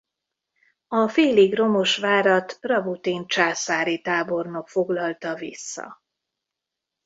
A félig romos várat Rabutin császári tábornok foglalta vissza.